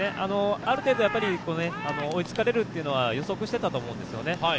ある程度追いつかれるというのは予測してたと思うんですよね。